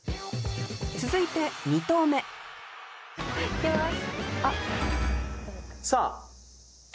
続いて２投目いきます！